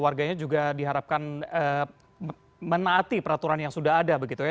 warganya juga diharapkan menaati peraturan yang sudah ada begitu ya